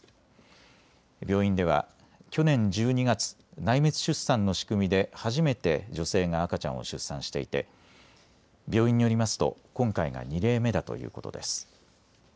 病院では去年１２月、内密出産の仕組みで初めて女性が赤ちゃんを出産していて病院によりますと今回が２例目だということです。